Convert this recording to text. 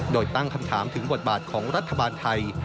โดยตั้งคำถามถึงบทบาทของรัฐบาลไทย